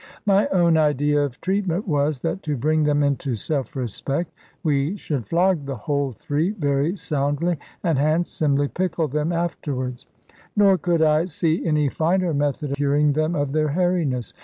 My own idea of treatment was, that to bring them into self respect, we should flog the whole three very soundly, and handsomely pickle them afterwards; nor could I see any finer method of curing them of their hairiness.